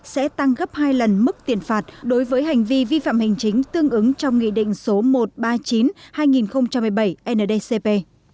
sẽ tăng gấp hai lần mức tiền phạt đối với hành vi vi phạm hành chính tương ứng trong nghị định số một trăm ba mươi chín hai nghìn một mươi bảy ndcp